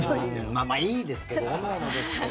まあまあ、いいですけどおのおのですけど。